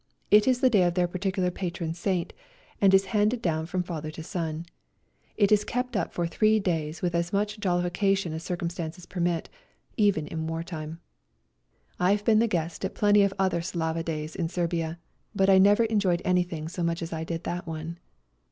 It is the day of their particular patron saint, and is handed down from father to son. It is kept up for three days with as much jollification as circumstances permit, even in wartime. I have been the guest at plenty of other Slava days in Serbia, but I never enjoyed anything so much as I did that one.